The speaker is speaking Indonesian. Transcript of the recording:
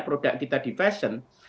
produk kita di fashion